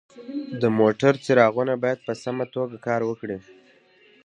د موټر څراغونه باید په سمه توګه کار وکړي.